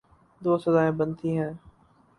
دو سزائیں بنتی ہیں۔